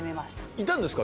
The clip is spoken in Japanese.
いたんですか？